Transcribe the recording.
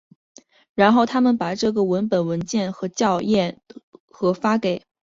然后他们把这个文本文件和校验和发给所有参与者。